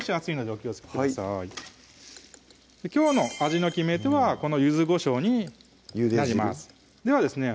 はいきょうの味の決め手はこの柚子こしょうになりますではですね